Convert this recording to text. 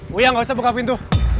buya gak usah buka pintu